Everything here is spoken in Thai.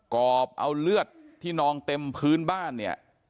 กรอบเอาเลือดที่นองเต็มพื้นบ้านเนี่ย